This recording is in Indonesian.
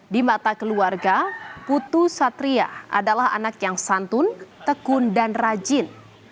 di mata keluarga putu satria adalah anak yang santun tekun dan rajin